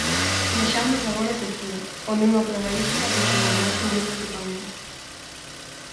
Viaxamos agora a Turquía, onde unha proba hípica deixou unha imaxe moi preocupante.